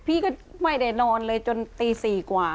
พี่ก็ไม่ได้นอนเลยจนตี๔กว่า